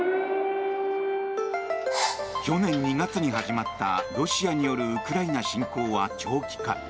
去年２月に始まったロシアによるウクライナ侵攻は長期化。